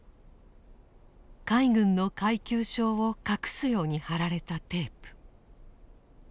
海軍の階級章を隠すように貼られたテープ。